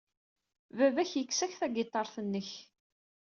Baba-k yekkes-ak tagiṭart-nnek.